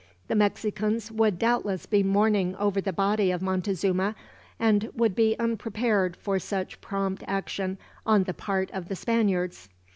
The Mexicans would doubtless be mourning over the body of Montezuma, and would be unprepared for such prompt action on the part of the Spaniards.